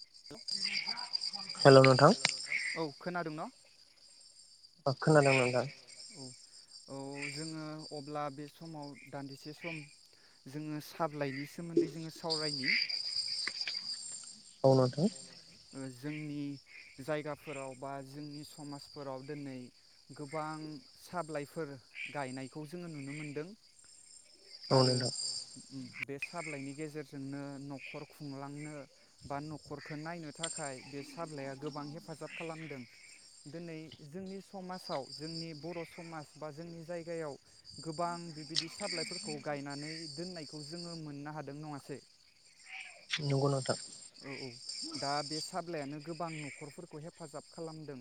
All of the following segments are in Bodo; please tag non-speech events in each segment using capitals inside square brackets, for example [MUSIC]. [UNINTELLIGIBLE] औ खोनादों ना खोनादों नोंथां औ जोङो अब्ला बे समाव दान्दिसे सम जोङो साबलाइनि सोमोन्दै जोङो सावरायनि औ नोंथां जोंनि जायगाफोराव बा जोंनि समाजफोराव दिनै गोबां साबलाइफोर गायनायखौ जोङो नुनो मोनदों आरो उम बे साबलाइनि गेजेरजोंनो नखर खुंलांनो बा नखरखौ नायनो थाखाय बे साब्लया गोबां हेफाजाब खालामदों दिनै जोंनि समाजाव जोंनि बर समाज बा जोंनि जायगायाव गोबां बिबायदि साबलाइफोरखौ खौ गायनानै दोननायखौ जोङो मोननो हादों नङासै उम नंगौ नोंथां औ औ दा बे साब्लायानो गोबां नखरफोरखौ हेफाजाब खालामदों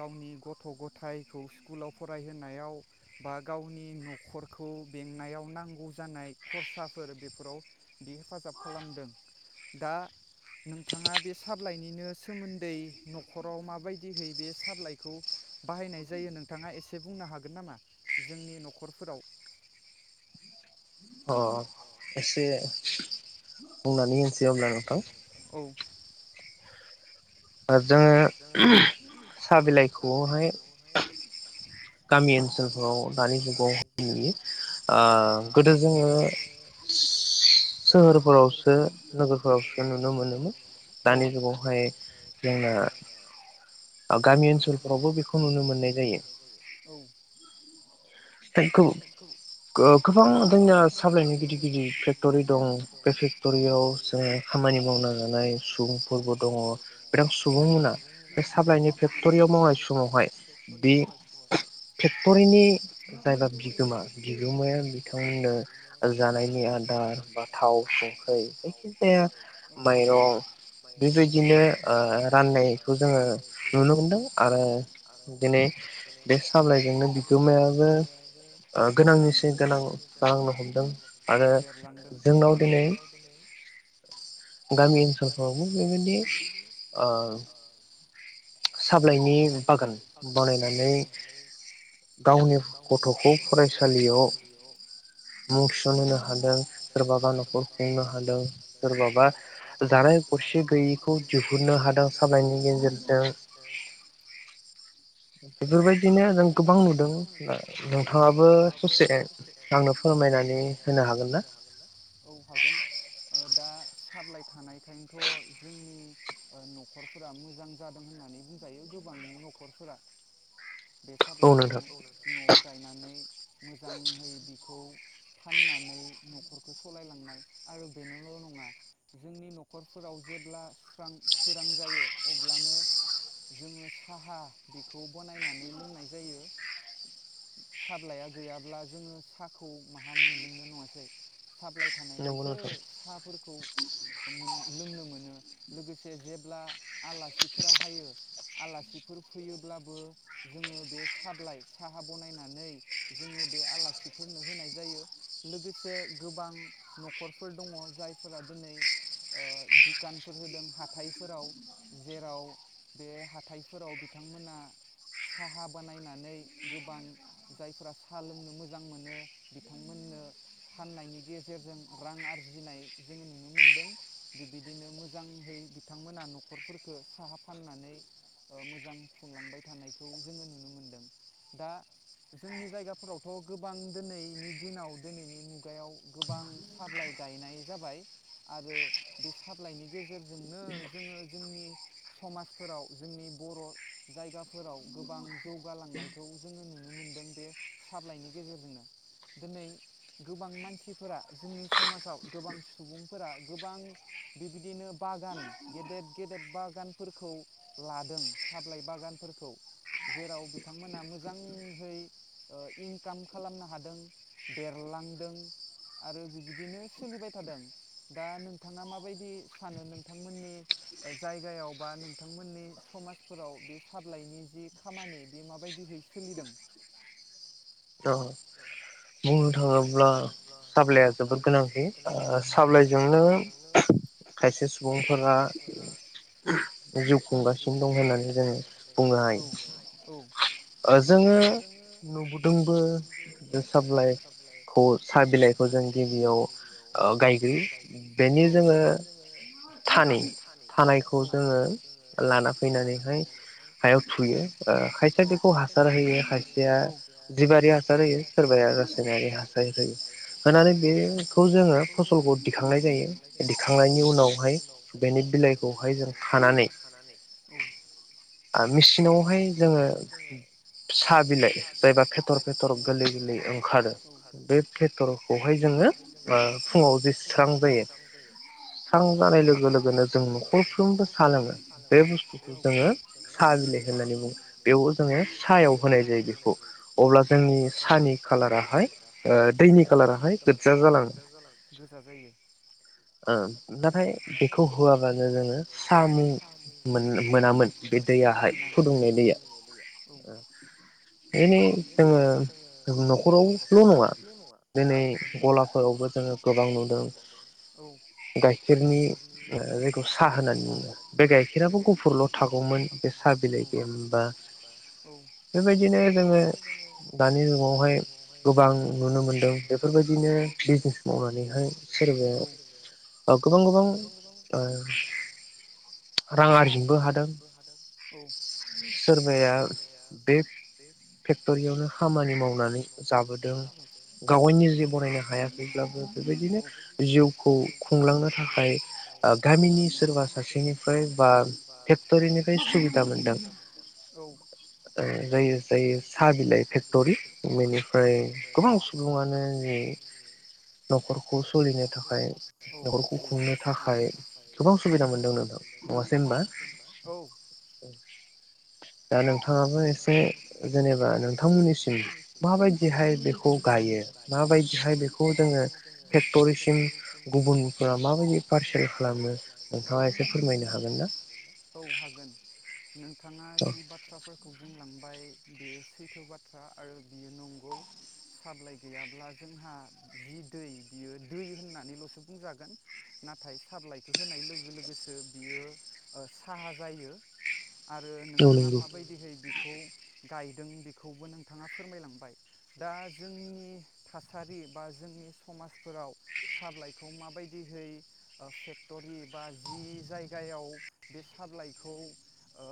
गावनि गथ गथायाइखौ स्कुलाव फरायहोनायाव बा गावनि नखरखौ बेंनायाव नांगौ जानाय खरसाफोर बेफोराव बे हेफाजाब खालामदों दा नोंथाङा बे साबलाइनिनो सोमोन्दै नखराव माबायदिहै बे साबलाइखौ बाहायनाय जायो नोंथाङा एसे बुंनो हागोन नामा जोंनि नखरफोराव अ एसे बुंनानै होनसै अब्ला नोंथां जोङो साहा बिलाइखौहाय गामि ओनसोलफोराव दानि जुगावाय नुयो गोदो जोङो सोहोरफोरावसो नोगोरफोरावसो नुनो मोनोमोन दानि जुगावहाय जोंना ओ ओ गामि ओनसोलफोरावबो बेखौ नुनो मोननाय जायो औ गोबां जोंनिया सााबलाइनि गिदिर गिदिर फेक्टरि दं बे फेक्टरियाव जोङो खामानि मावनो जानाय सुबुंफोरबो दङ बिथां सुबुं मोना बे सााबलाइनि फेक्टरियाव मावनाय समावहाय बे फेक्टरिनि जायबा बिगोमा बिगोमाया बिथांमोननो जानायनि आदार बा थाव संख्रि जायखिजाया माइरं बेबायदिनो राननायखौ जोङो नुनो मोनदों आरो दिनै बे सामलाइजोंनो बिगोमाया गोनांनिसि गोनां जालांनो हमदों आरो जोंनाव दिनै थाफाव आवबो बेनोदि अ साबलाइनि बागान बानायनानै गावनि गावनि गथखौ फरायसालियाव मुं थिनहो हादों सोरबाबा नखर खुंनो हादों सोरबाबा जालाय खरसे गैयैखौ दिहुननो हादों साबायनि गेजेरजों बेफोरबायदिनो जों गोबां नुदों नोंथाङाबो ससे आंनो फोरमायनानै होनो हागोन ना औ हागोन ओ दा साबलााय थानायखायनोथ जोंनि नखरफोरा मोजां जादों होननानै बुंजायो गोबांनि नखरफोरा बे साबलाइखौ नआव गायनानै मोजाङै बिखौ फाननानै नखर सालायलांनाय आरो बेनोल नङा जोंनि नखरफोराव जेब्ला सोरां जायो अब्लानो जोङो साहा बेखौ बनाय नानै लोंनाय जायो साब्लाया गैयाब्ला जोङो साहाखौ माहा मोनलोंनो नङासै साबलाइ थानायखायसो साहाफोरखौ लोंनो मोनो लोगोसे जेब्ला आलासिफोरा हायो आलासिफोर फैयोब्लाबो जोङो बे साब्लाइ साहा बनायनानै जोङो बे आलासिफोरनो होनाय जायो लोगोसे गोबां नखरफोर दङ जायफोरा दिनै दुखानफोर होदों हााइफोराव जेराव बे हााइफोराव बिथांमोना साहा बानायनानै गोबां जायफोरा साहा लोंनो मोजां मोनो बिथांमोननो फाननायनि गेजेरजों रां आरजिनाय जोङो नुनो मोनदों बिदिनो मोजांङै बिथांमोना न'खरफोरख साहा फाननानै मोजां खुंलांबाय था थानायखौ जोङो नुनो मोनदों दा जोंनि जायगाफोरावथ' गोबां दिनैनि दिनाव दिनैनि मुगायाव गोबां साबलाइ गायनाय जाबाय आरो बे साबलाइनि गेजेरजोंनो जोङो जोंनि समाजफोराव जोंनि बर' जायगाफोर फोराव गोबां जौगालांनायखौ जोङो नुनो मोनदों बे साबलाइनि गेजेरजोंनो दिनै गोबां मानसिफोरा जोंनि समाजाव गोबां सुबुंफोरा गोबां बेबायदिनो बागान गेदेद गेदेद बागानफोरखौ लादों सालाइ बागान फोरखौ खौ जेराव बिथांमोना मोजाङहै इनकाम खालामनो हादों देरलांदों आरो बिबायदिनो सोलिबाय थादों दा नोंथाङा माबायदि सानो नोंथांमोननि जायगायाव बा नोंथांमोननि समाजफोराव बे स थाबलाइनि जि खामानि बे माबायदिहै सोलिदों? औ। बुंनो थाङोब्ला साब्लाया जोबोद गोनांथि साब्लायजोंनो खायसे सुबुंफोरा जिउ खुंगासिनो दं होननानै जोङो बुंनो हायो जोङो। जोंबो जो साब्लाय खौ साहा बिलाइखौ जों गिबियाव ओ गायग्रोयो बेनि जोङो थानै थानायखौ जोङो लाना फैनानैहाय हायाव थुयो ओ खायसेया बेखौ हासार होयो खायसेया। जिबारि हासार होयो सोरबाया ओस [UNINTELLIGIBLE] हासार होयो होनानै बेखौ जोङो फसलखौ दिखांनाय जायो दिखांनायनि उनावहाय बेनि बिलाइखौहाय जों खानानै ओ मेसिनावहाय जोङो साहा बिलाइ जायबा फेथर-फेथर गोरलै गोरलै ओंखा [UNINTELLIGIBLE] बे पेटरखौहाय जोङो फुङाव ओ जे स्रां जायो स्रां जानाय लोगो-लोगोनो जों न'खरफ्रोमबो साहा लोङो बे बुस्थुखौ जोङो साहा बिलाइ होननानै बुङो बेयाव जोङो साहायाव होनाय जायो बेखौ। अब्ला जोंनि सानि खालारा [UNINTELLIGIBLE] दिनै जोङो नख'राव। न'खरावल' नङा दिनै गलाफोरावबो जोङो गोबां नुदों औ गाइखेरनि जायखौ सा होनानै बुङो बे गाइखेराबो गुफुरल' थागौमोन सा बिलाइ गोयामोनबा औ बेबाय नो‌ दानि जुगावहाय। गोबां नुनो मोनदों बेफोरबायदिनो बिजनेस मावनानैहाय सोरबाया गोबां गोबां ओ राङा रां आरजिनोबो हादों औ सोरबाया बे फेक्टरियावनो खामानि मावनानै जाबोदों गावायनि जि बनायनो हायाखैब्लाबो बेबायदिनो जिउखौ खुंलांनो थाखाय गामिनि सोरबा सासेनिफ्राय बा फेक्टरिनिफ्राय सुबिदा मोनदों ओ जायो। साहा बिलाइ फेक्टरि बेनिफ्राय गोबां सुबङानो न'खरखौ सलिनो थाखाय न'खरखौ खुंनो थाखाय गोबां सुबिदा मोनदों नोंथां नङा जेनबा [UNINTELLIGIBLE] दा नोंथाङाबो एसे। जेनेबा नोंथांमोननिसिम माबायदिहाय बेखौ गायो माबायदिहाय बेखौ जोङो फेक्टरिसिम गुबुनफोरा माबायदि पारसेस खालामो औ ह औ हागोन नो बिथाङा जि बाथ खौ बुंलांबाय। बे सैथो बाथ्रा आरो बियो नंगौ साबलाइ गैयाब्ला जोंहा जि दै बियो दै होननानैल'सो बुंजागोन नाथाय साबलाइखो होनाय लोगोसो बियो साहा जायो। आरो नोंथाङा माब थै बिखौ गायदों बेखौबो नोंथाङा फोरमायलांबाय दा जोंनि थासारि बा जोंनि समाजफोराव साबलाइखौ माबायदिहै ओ फेक्टरि बा जि जायगायाव बे साबलाइखौ ओ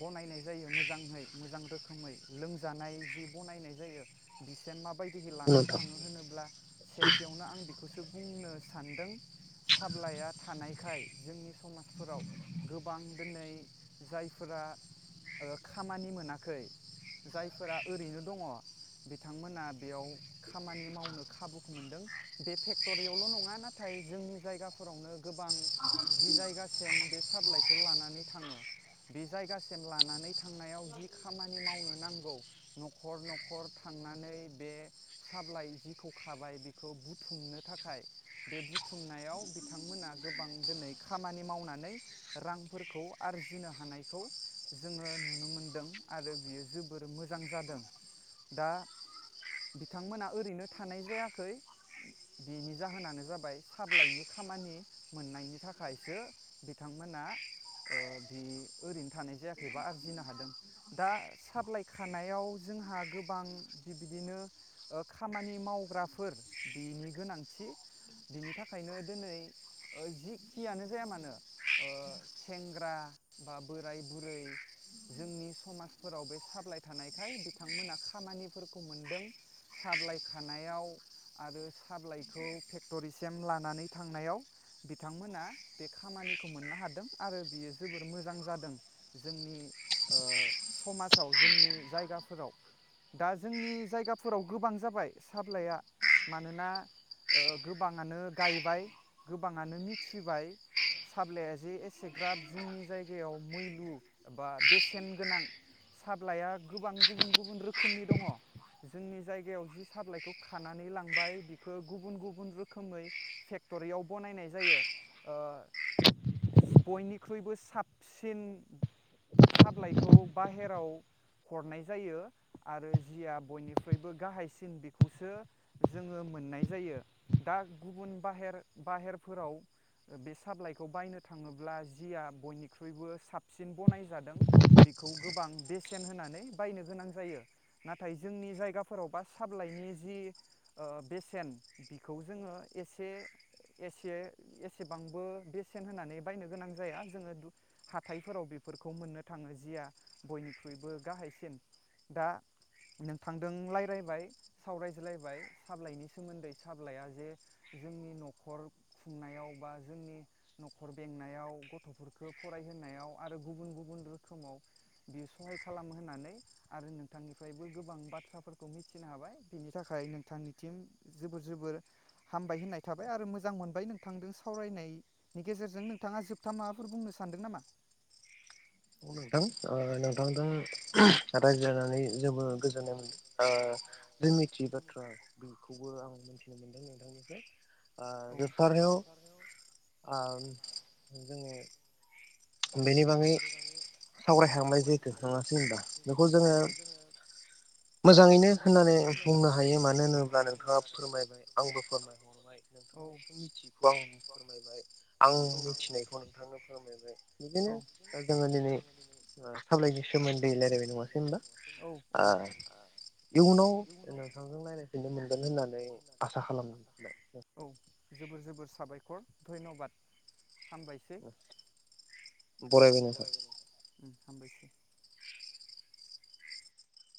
बनायनाय। जायो मोजांहै मोजां रोखै लोंजानाय जि बनायनाय जायो बिसिम मा बाय [UNINTELLIGIBLE] लानानै थाङो होनोब्ला सेथियावनो आं बेखौ। सो बुंनो सानदों साब्लाया थानायखाय जोंनि समाजफोराव गोबां दिनै जायफोरा। ओ खामानि मोनाखै जायफोरा ओरैनो दङ बिथांमोना बेयाव खामानि मावनो खाबुखौ मोनदों बे फेक्टरियावल' नङा नाथाय जोंनि जायगाफोरावनो गोबां जि जायगासिम बे सापलाइखौ लानानै थाङो बे जायगासिम। लानानै थांनायाव जि खामानि मावनो नांगौ न'खर न'खर थांनानै बे साब्लाइ जिखौ खाबाय बेखौ बुथुमनो थाखाय बे बुथुमनायाव बिथांमोना गोबां दिनै खामानि मावनानै रांफोरखौ आरजिनो हानायखौ जोङो नुनो मोनदों आरो बियो जोबोर मोजां जादों दा बिथांमोना ओरैनो थानाय जायाखै बिनि जाहोनानो जाबाय साबलाइनि खामानि मोननायनि थाखायसो बिथांमोना बि ओरैनो थानाय जायाखै खेबा आरजिनो हादों दा साप्लायखानायाव जोंहा गोबां बिबायदिनो खामानि मावग्राफोर बिनि गोनांथि बिनि थाखायनो दिनै जिखियानो जाया मानो सेंग्रा बा बोराय बुरै जोंनि समाजफोराव बे साबलाइ थानायखाय बिथांमोना खामानिफोरखौ मोनदों साबलाइ खानायाव आरो साबलाइखौ फेक्टरिसिम लानानै थांनायाव बिथांमोना बे खामानिखौ मोननो हादों आरो बियो जोबोर मोजां जादों जोंनि समाजाव जोंनि जायगाफोराव दा जोंनि जायगाफोराव गोबां जाबाय साहाब्लाया मानोना गोबाङानो गायबाय गोबाङानो मिथिबाय साब्लाया जे एसेग्राब जोंनि जायगायाव मैलु बा बेसेन गोनां साब्लइआ गोबां गुबुन गुबुन रोखोमनि दङ जोंनि जायगायाव जि साबलाइखौ खानानै लांबाय बिखौ गुबुन गुबुन रोखोमै फेक्टरियाव बनायनाय जायो बयनिख्रुइबो साबसिन साबलाइखौ बाहेराव हरनाय जायो आरो जिया बयनिख्रुइबो गाहायसिन बेखौसो जोङो मोननाय जायो दा गुबुन बाहेर बाहेरफोराव बे साबलाइखौ बायनो थाङोब्ला जिया बयनिख्रुइबो साबसिन ब जादों बेखौ गोबां बेसेन होनानै बायनो गोनां जायो नाथाय जोंनि जायगाफोरावबा साबलाइनि जि बेसेन बिखौ जोङोसे एसेबांबो बेसेन होनानै बायनो गोनां जाया जोङो हाथाय फोराव बेफोरखौ मोननो थाङो जिया बयनिख्रुइबो गाहायसिन दा नोंथांदों राय्लायबाय सावरायज्लायबाय साबलाइनि सोमोन्दै साबलाया जे जोंनि न'खर खुंनायाव बा जोंनि न'खर बेंनायाव गथ'फोरखौ फरायहोनायाव आरो गुबुन गुबुन रोखोमाव बेयो सहाय खालामो होननानै आरो नोंथांनिफ्रायबो गोबां बाथ्राफोरखौ मिथिनो हाबाय बिनि थाखाय नोंथांनिथिम जोबोर जोबोर हामबाय होननाय थाबाय आरो मोजां मोनबाय नोंथांजों सावरायनायनि गेजेरजों नोंथाङा जोबथा माबाफोर बुंनो सानदों नामा नोंथां नोंथां दों रायज्लायनानै जोबो गोजोननाय मोन औ जों मिथिय बाथ्रा बेखौ बो आं मिथिनो मोनदों नोंथांनिफ्राय आ गेसारउ आ जोङो बेनि बागै सावरायहांबाय जिहेथु नङासै होनबा बेखौ जोङो मोजाङैनो होननानै बुंनो हायो मानो होनोब्ला नोंथाङा फोरमायबाय आंबो फोरमायहरबाय नोंथांनिखौ मिथियैखौ आं फोरमायबाय आं मिथिनायखौ नोंथांनो फोरमायबाय बिदिनो दिनै सामलायनि सोमोन्दै रायलायनाय नङासै होनबा इयुनाव नोंथांजों रनायज्लायफिननो मोनगोन दायो आसा खालामबाय जोबोर जोबोर साबायखर धयन्बाद बरायब न थ हामबायसै